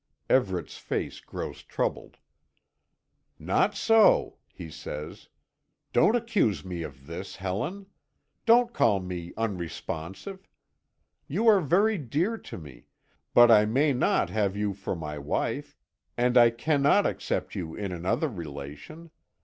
Everet's face grows troubled: "Not so," he says; "don't accuse me of this, Helen. Don't call me unresponsive. You are very dear to me but I may not have you for my wife, and I cannot accept you in another relation.